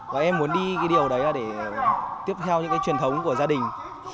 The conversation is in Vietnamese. và em muốn đi cái điều đấy là để tiếp theo những cái truyền thống của gia đình